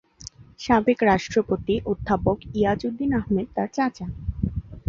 সাবেক রাষ্ট্রপতি অধ্যাপক ইয়াজউদ্দিন আহমেদ তার চাচা।